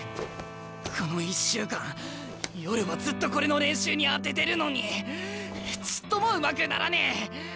この１週間夜はずっとこれの練習に充ててるのにちっともうまくならねえ！